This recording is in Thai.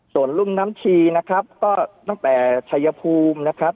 ส่วนรุ่มน้ำชีนะครับก็ตั้งแต่ชัยภูมินะครับ